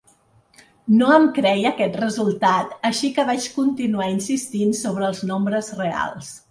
No em creia aquest resultat, així que vaig continuar insistint sobre els nombres reals.